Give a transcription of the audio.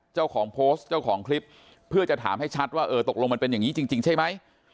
เจ้าของโพสต์เจ้าของคลิปเพื่อจะถามให้ชัดว่าเออตกลงมันเป็นอย่างนี้จริงใช่ไหม